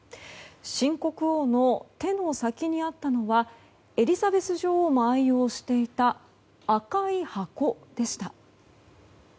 新国王の手の先にあったのはエリザベス女王も愛用していた赤い箱でした。